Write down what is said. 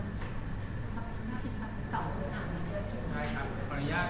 คุณทำชัดสร้างมารั่บเหลืองานเมือง